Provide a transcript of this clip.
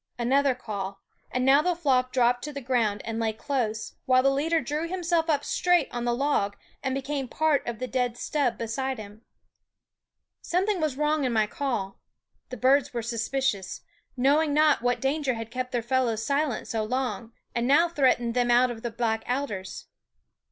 Another call, and now the flock dropped to the ground and lay close, while the leader drew himself up straight on the log and became part of a dead stub beside him. THE WOODS Hf Something was wrong in my call; the birds were suspicious, knowing not what danger had kept their fellows silent so long, and now threatened them out of the black alders.